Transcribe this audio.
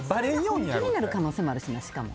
本気になる可能性もあるしな。